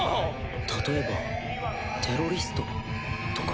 例えばテロリストとか。